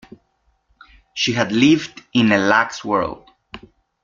She had lived in a lax world.